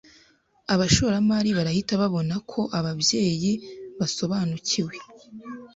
Abashoramari barahita babona ko ababyeyi basobanukiwe